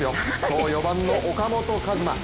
この４番の岡本和真。